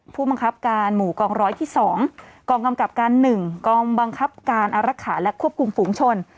ผู้บังคับการหมู่กองร้อยที่๒กองกำกับการ๑กองบังคับการอารักษาและควบคุมฝูงชน